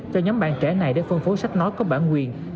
cho nhóm bạn trẻ này để phân phối sách nó có bản quyền